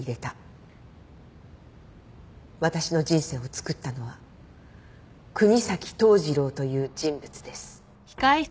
「私の人生をつくったのは國東統次郎という人物です」